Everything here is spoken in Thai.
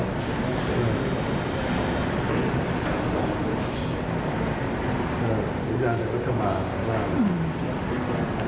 คือก็ยังมีทางสร้างมากระหลาย